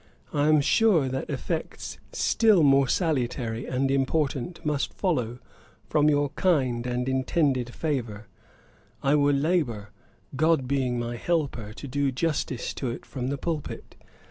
I am sure that effects still more salutary and important must follow from your kind and intended favour. I will labour GOD being my helper, to do justice to it from the pulpit.